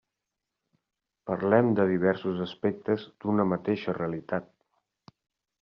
Parlem de diversos aspectes d'una mateixa realitat.